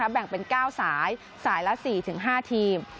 แบ่งเป็น๙สายสายละ๔๕ทีม